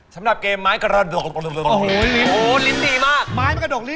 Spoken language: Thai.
สำหรับเกมไม้กระดกอย่าตกซี่